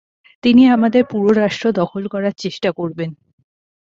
তিনি আমাদের পুরো রাষ্ট্র দখল করার চেষ্টা করবেন।